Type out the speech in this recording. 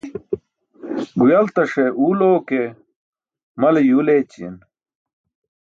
Guyltaṣe uul oo ke, mal yuul eećiyen.